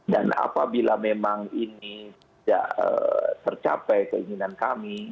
dan apabila memang ini tidak tercapai keinginan kami